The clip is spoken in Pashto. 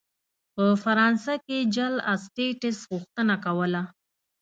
په فرانسه کې جل اسټټس غوښتنه کوله.